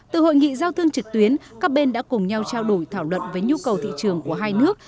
từ hội nghị giao thương trực tuyến các bên đã cùng nhau trao đổi thảo luận với nhu cầu thị trường của hai nước